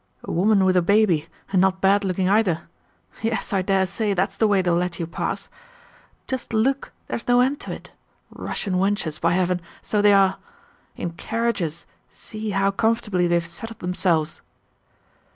A woman with a baby, and not bad looking either! Yes, I dare say, that's the way they'll let you pass.... Just look, there's no end to it. Russian wenches, by heaven, so they are! In carriages—see how comfortably they've settled themselves!"